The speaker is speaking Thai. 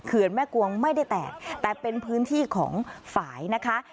แม่กวงไม่ได้แตกแต่เป็นพื้นที่ของฝ่ายนะคะ